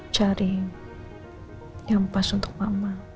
cari yang pas untuk mama